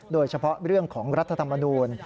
โดยเฉพาะเรื่องของรัฐธรรมนูล